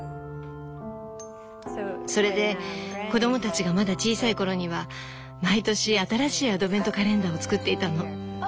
それで子供たちがまだ小さい頃には毎年新しいアドベントカレンダーを作っていたの。